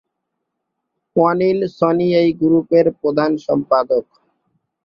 অনিল সনি এই গ্রুপের প্রধান সম্পাদক।